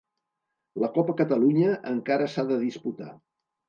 La Copa Catalunya encara s'ha de disputar.